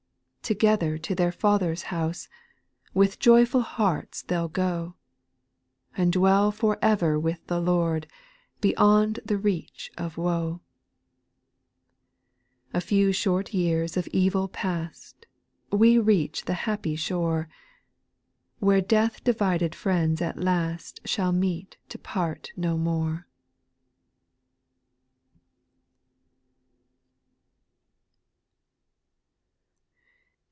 7. Together to their Father's house. With joyful hearts they '11 go. And dwell for ever with the Lord, Beyond the reach of woe. 8. A few short years of evil past. We reach the hajjpy shore. Where death divided friends at last Shall meet to part no more.